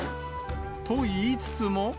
と言いつつも。